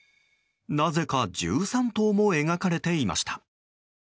なぜか１３頭も描かれていました。